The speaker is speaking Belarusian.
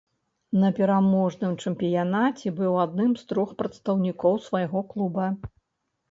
На пераможным чэмпіянаце быў адным з трох прадстаўнікоў свайго клуба.